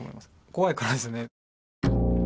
怖いからですね。